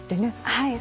はい。